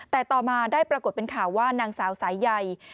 แต่ต่อมาได้ปรากฏเป็นข่าวว่านางสาวสายใย